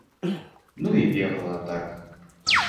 Ну і бегала, так.